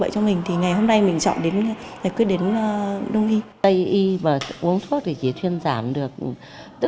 trong những năm gần đây tỷ lệ bệnh nhân điều trị bằng phương pháp đồng y gia tăng đáng kể